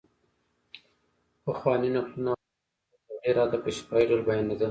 پخواني نکلونه او داستانونه په تر ډېره حده په شفاهي ډول بیانېدل.